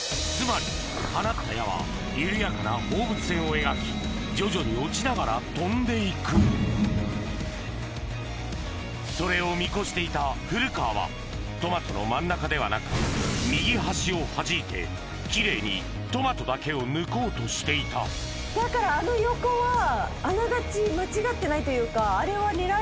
つまり放った矢は緩やかな放物線を描き徐々に落ちながら飛んで行くそれを見越していた古川はトマトの真ん中ではなく右端をはじいて奇麗にトマトだけを抜こうとしていただからあの横はあながち間違ってないというか。